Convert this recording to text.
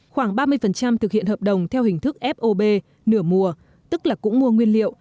khoảng ba mươi thực hiện hợp đồng theo hình thức fob nửa mùa tức là cũng mua nguyên liệu